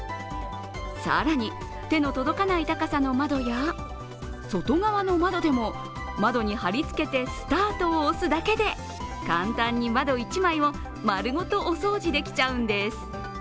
更に手の届かない高さの窓や外側の窓でも窓に貼りつけてスタートを押すだけで簡単に窓１枚を丸ごとお掃除できちゃうんです。